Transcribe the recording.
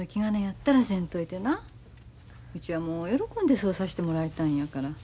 うちはもう喜んでそうさしてもらいたいんやから。